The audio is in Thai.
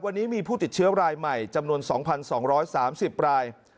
วันนี้มีผู้ติดเชื้อรายใหม่จำนวน๒๒๓๐ราย